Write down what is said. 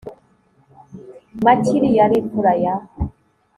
makiri yari imfura ya